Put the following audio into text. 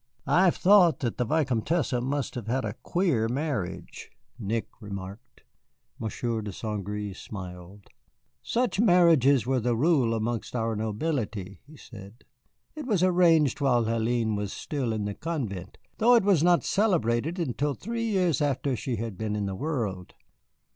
"I have thought that the Vicomtesse must have had a queer marriage," Nick remarked. Monsieur de St. Gré smiled. "Such marriages were the rule amongst our nobility," he said. "It was arranged while Hélène was still in the convent, though it was not celebrated until three years after she had been in the world.